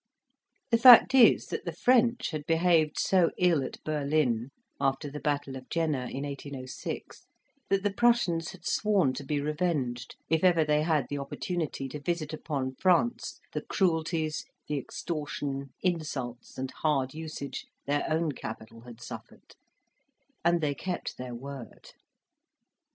The fact is that the French had behaved so ill at Berlin, after the Battle of Jena, in 1806, that the Prussians had sworn to be revenged, if ever they had the opportunity to visit upon France the cruelties, the extortion, insults, and hard usage their own capital had suffered; and they kept their word.